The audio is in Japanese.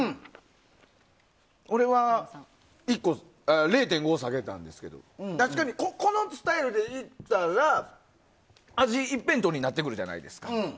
俺は、０．５下げたんですけど確かにこのスタイルでいったら味一辺倒になるじゃないですか。